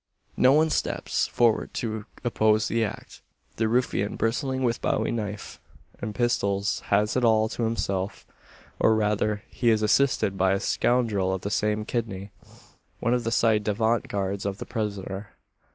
No one steps forward to oppose the act. The ruffian, bristling with bowie knife and pistols, has it all to himself or, rather, is he assisted by a scoundrel of the same kidney one of the ci devant guards of the prisoner.